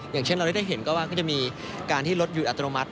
อย่างเช่นเราได้เห็นก็ว่าก็จะมีการที่รถหยุดอัตโนมัติ